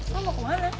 lo mau kemana